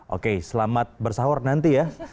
oke selamat bersahur nanti ya